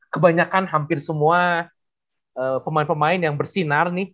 kebanyakan hampir semua pemain pemain yang bersinar nih